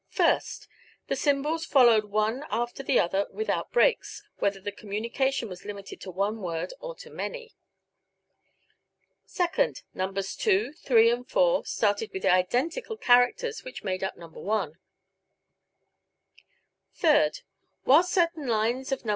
First: The symbols followed one after the other without breaks, whether the communication was limited to one word or to many. Second: Nos. 2, 3 and 4 started with the identical characters which made up No. 1. Third: While certain lines in Nos.